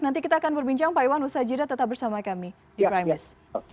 nanti kita akan berbincang pak iwan ushajirah tetap bersama kami di primus